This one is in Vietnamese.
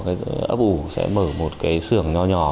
từ thời gian đó tôi đã có cái ấp ủ sẽ mở một cái xưởng nhỏ nhỏ